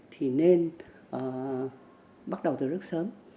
thì nên bắt đầu từ rất sớm